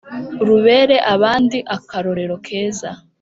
Rubere abandi akarorero keza